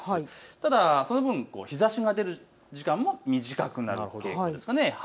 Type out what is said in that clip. ただその分、日ざしが出る時間も短くなる傾向ですかね。